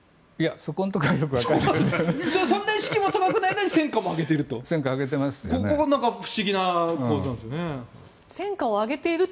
そんなに士気も高くないのに戦果を上げていると。